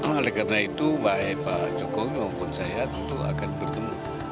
oleh karena itu baik pak jokowi maupun saya tentu akan bertemu